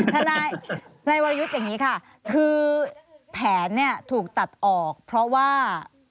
ทนายวรยุทธ์อย่างนี้ค่ะคือแผนเนี่ยถูกตัดออกเพราะว่า